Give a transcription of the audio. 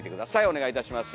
お願いいたします。